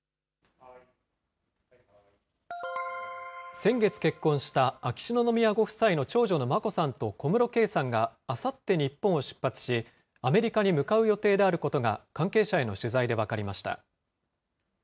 先月結婚した秋篠宮ご夫妻の長女の眞子さんと小室圭さんが、あさって日本を出発し、アメリカに向かう予定であることが、関係者への取材で分かりました。